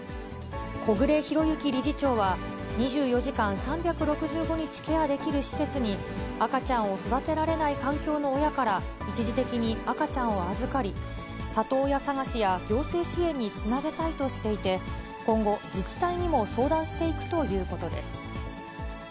小暮裕之理事長は、２４時間３６５日ケアできる施設に、赤ちゃんを育てられない環境の親から一時的に赤ちゃんを預かり、里親探しや行政支援につなげたいとしていて、今後、自治体にも相談していくということです。